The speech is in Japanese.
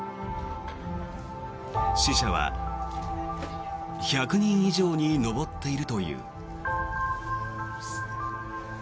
死者は１００人以上に上っているという。